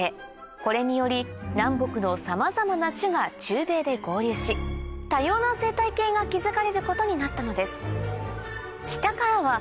これにより南北のさまざまな種が中米で合流し多様な生態系が築かれることになったのです